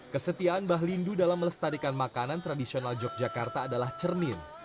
kesetiaan mbah lindu dalam melestarikan makanan tradisional yogyakarta adalah cermin